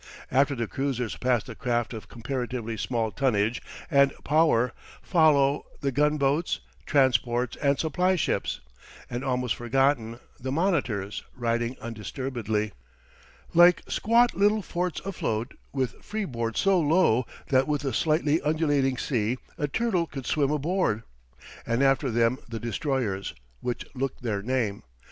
After the cruisers passed the craft of comparatively small tonnage and power follow the gun boats, transports, and supply ships; and, almost forgotten, the monitors, riding undisturbedly, like squat little forts afloat, with freeboard so low that with a slightly undulating sea a turtle could swim aboard. And after them the destroyers, which look their name.